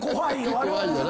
怖いよな。